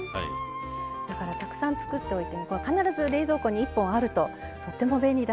だからたくさん作っておいて必ず冷蔵庫に１本あるととっても便利だと思います。